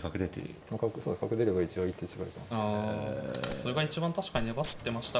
それが一番確かに粘ってましたかね。